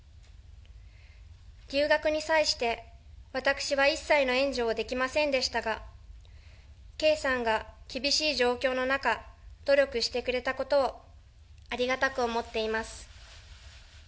留学に際して、私は一切の援助はできませんでしたが、圭さんが、厳しい状況の中、努力してくれたことをありがたく思っています。